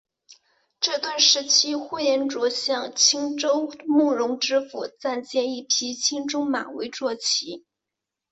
这段时期呼延灼向青州慕容知府暂借一匹青鬃马为坐骑。